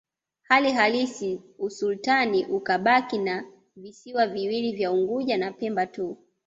Hali halisi usultani ukabaki na visiwa viwili vya Unguja na Pemba tu